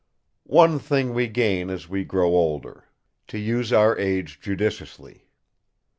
"One thing we gain as we grow older: to use our age judiciously!